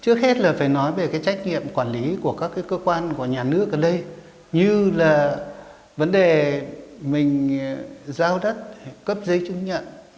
trước hết là phải nói về cái trách nhiệm quản lý của các cái cơ quan của nhà nước ở đây như là vấn đề mình giao đất cấp giấy chứng nhận